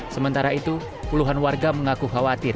sementara itu puluhan warga mengaku khawatir